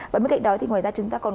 và bên cạnh đó thì ngoài ra chúng ta